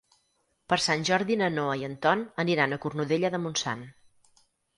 Per Sant Jordi na Noa i en Ton aniran a Cornudella de Montsant.